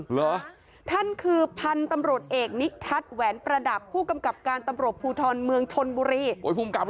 เหรอท่านคือพันธุ์ตำรวจเอกนิทัศน์แหวนประดับผู้กำกับการตำรวจภูทรเมืองชนบุรี